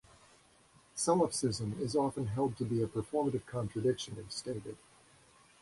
Solipsism is often held to be a performative contradiction if stated.